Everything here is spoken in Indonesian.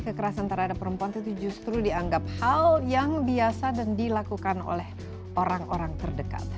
kekerasan terhadap perempuan itu justru dianggap hal yang biasa dan dilakukan oleh orang orang terdekat